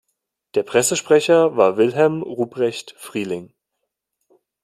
Der Pressesprecher war Wilhelm Ruprecht Frieling.